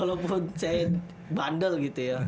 walaupun saya bandel gitu ya